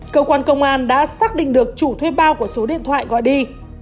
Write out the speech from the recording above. cơ quan công an đã xác định được chủ thuê bao của số điện thoại gọi đi